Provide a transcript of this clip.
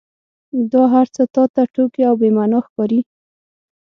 دا هرڅه تا ته ټوکې او بې معنا ښکاري.